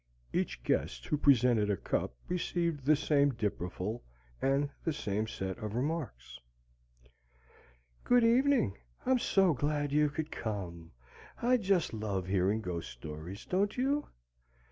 Each guest who presented a cup received the same dipperful and the same set of remarks. "Good evening. I'm so glad you could come! I just love hearing ghost stories, don't you?